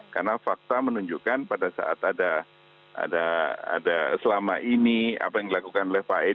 karena fakta menunjukkan pada saat ada selama ini apa yang dilakukan oleh pak edi